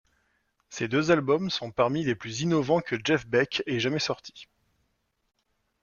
Ces deux albums sont parmi les plus innovants que Jeff Beck ait jamais sortis.